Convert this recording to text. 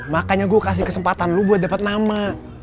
makanya gua kasih kesempatan lu buat dapet nama